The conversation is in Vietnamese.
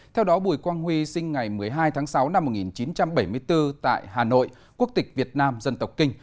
theo đó bùi quang huy sinh ngày một mươi hai tháng sáu năm một nghìn chín trăm bảy mươi bốn tại hà nội quốc tịch việt nam dân tộc kinh